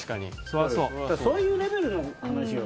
そういうレベルの話よ。